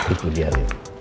itu dia lin